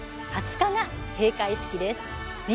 ２０日が閉会式です。